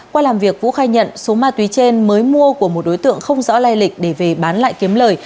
qua làm việc vũ khai nhận số ma túy trên mới mua của một đối tượng không rõ lai lịch để về bán lại kiếm lời